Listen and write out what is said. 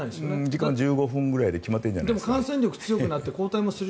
時間は１５分ぐらいで決まっているんじゃないですか。